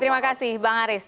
terima kasih bang haris